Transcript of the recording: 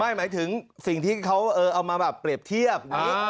ไม่หมายถึงสิ่งที่เขาเอามาแบบเปรียบเทียบ